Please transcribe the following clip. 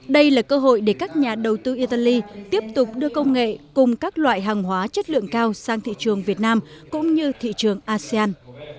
đây là cơ hội để các nhà đầu tư italy tiếp tục đưa công nghệ cùng các loại hàng hóa chất lượng cao sang thị trường việt nam cũng như thị trường asean